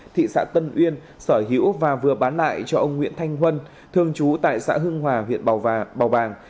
thị xã tân uyên sở hữu và vừa bán lại cho ông nguyễn thanh huân thường trú tại xã hưng hòa huyện bảo và bào bàng